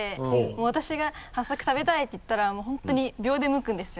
私が「ハッサク食べたい」って言ったらもう本当に秒で剥くんですよ。